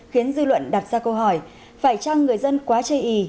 khiến dư luận đặt ra câu hỏi phải chăng người dân quá chê ý